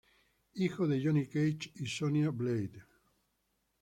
Hija de Johnny Cage y Sonya Blade.